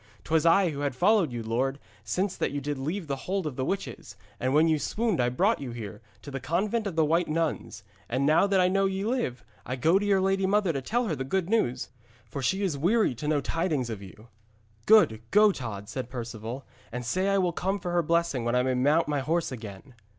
'Twas I who had followed you, lord, since that you did leave the hold of the witches, and when you swooned I brought you here, to the convent of the White Nuns. And now that I know ye live, I go to your lady mother to tell her the good news, for she is weary to know tidings of you.' 'Go, good Tod,' said Perceval, 'and say I will come for her blessing when I may mount my horse again.'